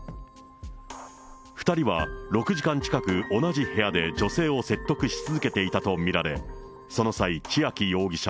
２人は６時間近く、同じ部屋で女性を説得し続けていたと見られ、その際、千秋容疑者